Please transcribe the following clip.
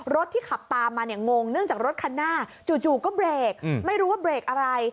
ที่ขับตามมาเนี่ยงงเนื่องจากรถคันหน้าจู่ก็เบรกไม่รู้ว่าเบรกอะไร